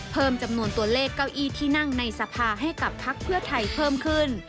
เพิ่มจำนวนตัวเลขเก้าอี้ที่นั่งในสภาให้กับพักเพื่อไทยเพิ่มขึ้น